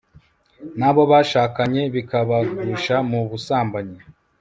n'abo bashakanye bikabagusha mu busambanyi